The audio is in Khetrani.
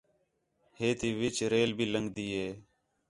ہے تی وِِچ ریل بھی لنڳدی ہِے